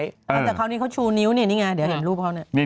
แต่คราวนี้เขาชูนิ้วนี่นี่ไงเดี๋ยวเห็นรูปเขาเนี่ย